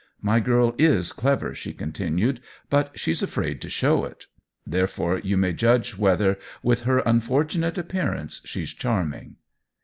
My girl is clever," she continued, "but she's afraid to show it. Therefore you may judge whether, with her unfortu nate appearance, she's charming."